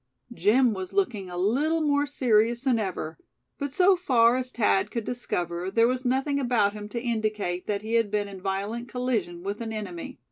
Jim was looking a little more serious than ever; but so far as Thad could discover there was nothing about him to indicate that he had been in violent collision with an enemy.